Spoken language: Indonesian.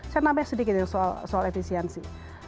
saya nambah sedikit soal efisiensi